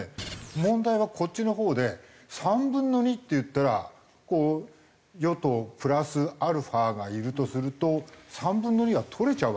問題はこっちのほうで３分の２っていったら与党プラスアルファがいるとすると３分の２は取れちゃうわけだよね